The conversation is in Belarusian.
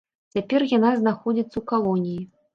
Цяпер яна знаходзіцца ў калоніі.